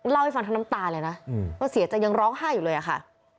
เล่าให้ฟังทั้งน้ำตาเลยนะว่าเสียใจยังร้องไห้อยู่เลยอะค่ะ